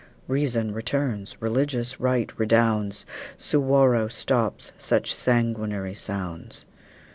Reason returns, religious right redounds, Suwarrow stops such sanguinary sounds.